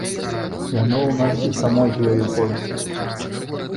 Яно ў нас і само з ёю ходзіць.